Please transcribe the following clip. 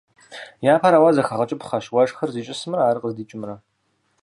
Япэрауэ, зэхэгъэкӀыпхъэщ уэшхыр зищӀысымрэ ар къыздикӀымрэ.